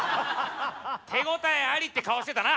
手応えありって顔してたな。